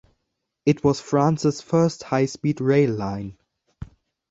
It was France's first high-speed rail line.